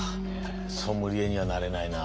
ソムリエにはなれないな。